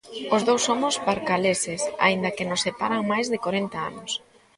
Os dous somos barcaleses, aínda que nos separan máis de corenta anos.